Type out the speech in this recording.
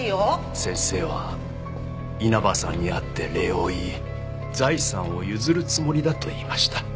先生は稲葉さんに会って礼を言い財産を譲るつもりだと言いました。